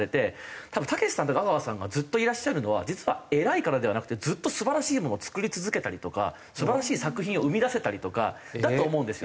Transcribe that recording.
多分たけしさんとか阿川さんがずっといらっしゃるのは実は偉いからではなくてずっと素晴らしいものを作り続けたりとか素晴らしい作品を生み出せたりとかだと思うんですよ。